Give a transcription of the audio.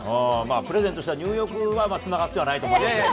プレゼントした入浴剤は、つながってはないと思いますけど。